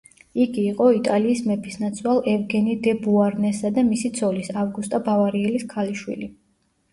იგი იყო იტალიის მეფისნაცვალ ევგენი დე ბოარნესა და მისი ცოლის, ავგუსტა ბავარიელის ქალიშვილი.